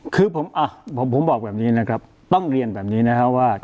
คือผมบอกแบบนี้นะครับต้องเรียนแบบนี้นะครับว่า